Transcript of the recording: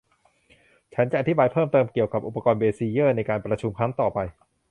ฉันจะอธิบายเพิ่มเติมเกี่ยวกับอุปกรณ์เบซิเยอร์ในการประชุมครั้งต่อไป